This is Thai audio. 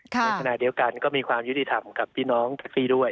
ในขณะเดียวกันก็มีความยุติธรรมกับพี่น้องแท็กซี่ด้วย